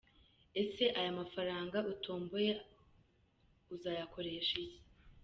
Ese aya mafaranga utomboye azayakoresha iki?.